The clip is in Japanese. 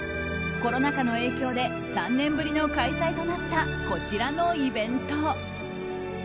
コロナ禍の影響で３年ぶりの開催となったこちらのイベント。